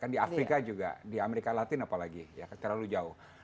di afrika juga di amerika latin apalagi terlalu jauh